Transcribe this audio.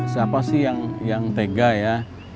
siapa sih yang tega ya